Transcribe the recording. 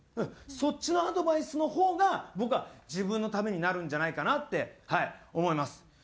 そっちのアドバイスの方が僕は自分のためになるんじゃないかなって思います。